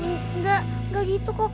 enggak enggak gitu kok